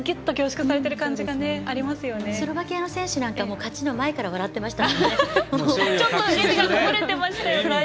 スロバキアの選手なんか勝ちの前から笑ってましたもんね。